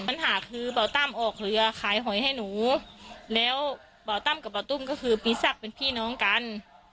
ปัญหาคือเบาตั้มออกเรือขายหอยให้หนูแล้วเบาตั้มกับเบาตุ้มก็คือปีศักดิ์เป็นพี่น้องกัน